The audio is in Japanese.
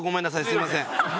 すみません。